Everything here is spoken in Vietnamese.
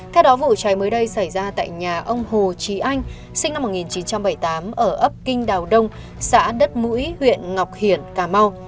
theo đó vụ cháy mới đây xảy ra tại nhà ông hồ trí anh sinh năm một nghìn chín trăm bảy mươi tám ở ấp kinh đào đông xã đất mũi huyện ngọc hiển cà mau